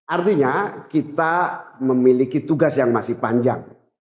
artinya kita memiliki tugas yang masih panjang